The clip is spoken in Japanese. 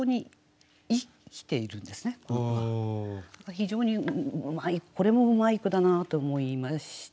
非常にうまいこれもうまい句だなと思いました。